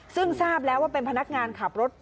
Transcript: ซึ่งทราบแล้วว่าเป็นพนักงานขับรถ